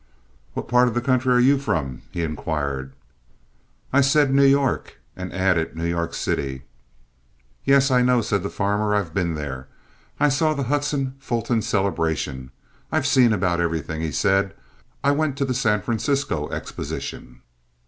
"What part of the country are you from?" he inquired. I said New York, and added New York City. "Yes; I know," said the farmer. "I've been there. I saw the Hudson Fulton celebration. I've seen about everything," he said, "I went to the San Francisco Exposition."